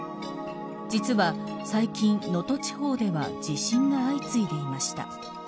実は、最近能登地方では地震が相次いでいました。